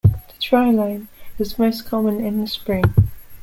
The dry line is most common in the spring.